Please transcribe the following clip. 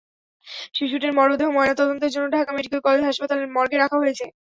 শিশুটির মরদেহ ময়নাতদন্তের জন্য ঢাকা মেডিকেল কলেজ হাসপাতালের মর্গে রাখা হয়েছে।